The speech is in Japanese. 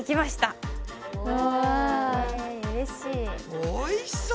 おいしそう！